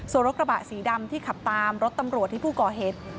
ส่วนรถกระบะสีดำที่ขับตามรถตำรวจที่ผู้ก่อเหตุ